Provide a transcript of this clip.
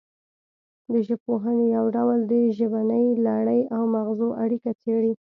د ژبپوهنې یو ډول د ژبنۍ لړۍ او مغزو اړیکه څیړي